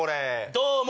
どうも。